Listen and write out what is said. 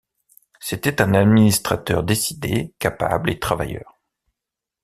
C'était un administrateur décidé, capable et travailleur.